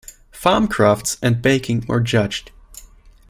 Farm crafts and baking were judged.